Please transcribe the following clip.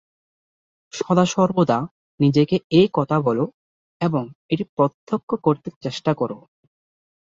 সদাসর্বদা নিজেকে এই কথা বলো এবং এটি প্রত্যক্ষ করতে চেষ্টা কর।